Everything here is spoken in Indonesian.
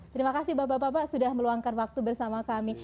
terima kasih bapak bapak sudah meluangkan waktu bersama kami